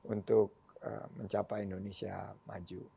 untuk mencapai indonesia maju